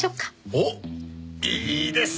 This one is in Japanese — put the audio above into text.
おっいいですねぇ！